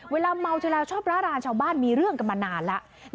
เวลาเมาเธอแล้วชอบร้ารานชาวบ้านมีเรื่องกันมานานแล้ว